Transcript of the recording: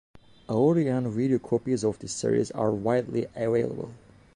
Audio and video copies of this series are widely available.